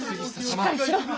しっかりしろ！